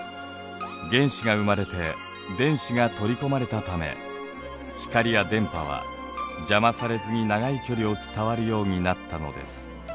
原子が生まれて電子が取り込まれたため光や電波は邪魔されずに長い距離を伝わるようになったのです。